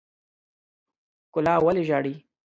ښکلا ولې ژاړي.